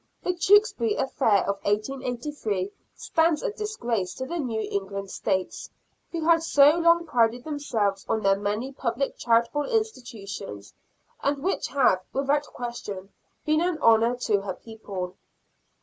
The Tewksbury affair of 1883, stands a disgrace to the New England States, who had so long prided themselves on their many public charitable institutions, and which have, without question, been an honor to her people.